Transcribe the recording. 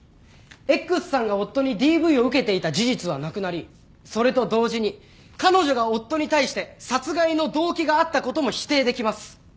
Ｘさんが夫にＤＶを受けていた事実はなくなりそれと同時に彼女が夫に対して殺害の動機があったことも否定できます。